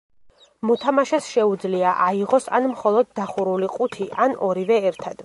მოთამაშეს შეუძლია აიღოს ან მხოლოდ დახურული ყუთი, ან ორივე ერთად.